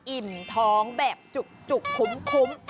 อิ่มท้องแบบจุกคุ้ม